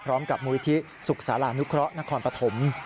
พร้อมกับมูลที่ศุกร์สารานุเคราะห์นครปฐม